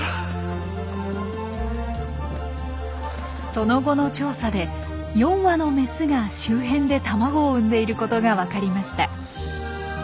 その後の調査で４羽のメスが周辺で卵を産んでいることが分かりました。